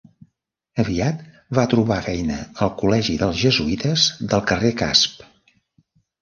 Aviat va trobar feina al Col·legi dels Jesuïtes del carrer Casp.